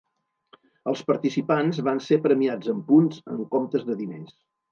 Els participants van ser premiats amb punts en comptes de diners.